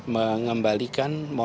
mengembalikan monas kembali